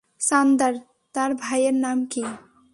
চান্দার, তার ভাইয়ের নাম কী?